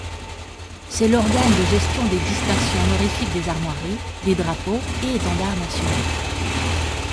C'est l'organe de gestion des distinctions honorifiques des armoiries, des drapeaux et étendards nationaux.